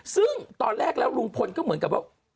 ซึ่งตอนแรกแล้วลุงพลก็เหมือนกับว่า